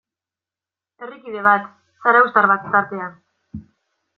Herrikide bat, zarauztar bat tartean.